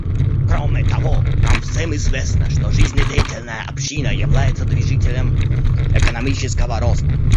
Кроме того, нам всем известно, что жизнедеятельная община является движителем экономического роста.